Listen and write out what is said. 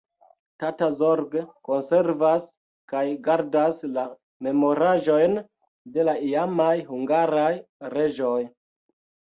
Tata zorge konservas kaj gardas la memoraĵojn de la iamaj hungaraj reĝoj.